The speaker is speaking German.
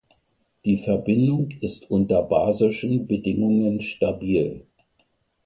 Die Verbindung ist unter basischen Bedingungen stabil.